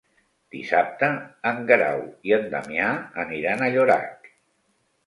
Dissabte en Guerau i en Damià aniran a Llorac.